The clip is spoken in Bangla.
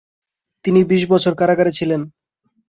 তিনি বিশ বছর কারাগারে ছিলেন।